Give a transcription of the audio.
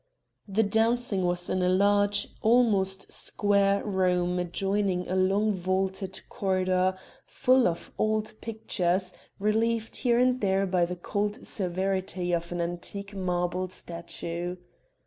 The dancing was in a large, almost square, room adjoining a long vaulted corridor full of old pictures relieved here and there by the cold severity of an antique marble statue.